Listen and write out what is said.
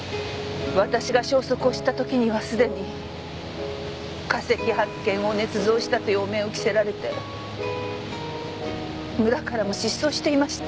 私が消息を知った時にはすでに化石発見を捏造したという汚名を着せられて村からも失踪していました。